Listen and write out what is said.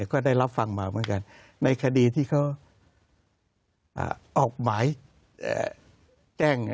ก็ได้รับฟังมาเหมือนกันในคดีที่เขาออกหมายแจ้ง